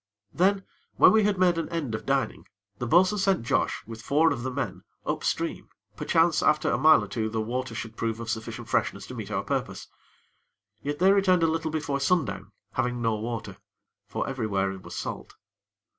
Then, when we had made an end of dining, the bo'sun sent Josh, with four of the men, up stream, perchance after a mile or two the water should prove of sufficient freshness to meet our purpose. Yet they returned a little before sundown having no water; for everywhere it was salt.